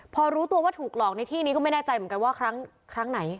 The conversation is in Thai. พอรู้ตัวว่าถูกหลอกในที่นี้ก็ไม่แน่ใจเหมือนกันว่าครั้งไหน